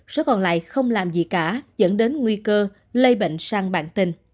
số còn lại không làm gì cả dẫn đến nguy cơ lây bệnh sang bàn